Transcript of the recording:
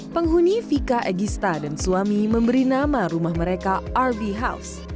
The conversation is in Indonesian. penghuni vika egista dan suami memberi nama rumah mereka rv house